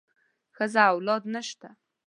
ښځه او اولاد نشته.